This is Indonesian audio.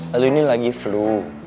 lalu ini lagi flu